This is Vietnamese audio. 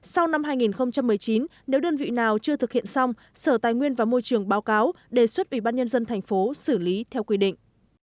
sau năm hai nghìn một mươi chín nếu đơn vị nào chưa thực hiện xong sở tài nguyên và môi trường báo cáo đề xuất ủy ban nhân dân thành phố xử lý theo quy định